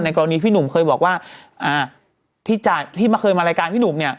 กรณีพี่หนุ่มเคยบอกว่าที่จากที่มาเคยมารายการพี่หนุ่มเนี่ย